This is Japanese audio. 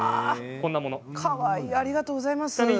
かわいいありがとうございます。